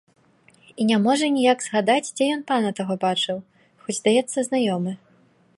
І не можа ніяк згадаць, дзе ён пана таго бачыў, хоць, здаецца, знаёмы.